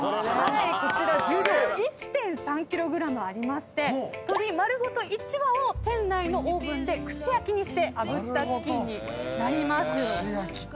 こちら重量１．３ｋｇありまして鶏丸ごと１羽を店内のオーブンで串焼きにしてあぶったチキンになります。